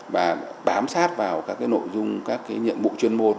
và bám sát vào các cái nội dung các cái nhiệm vụ chuyên môn